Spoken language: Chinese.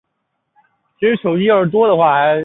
徐以任之子。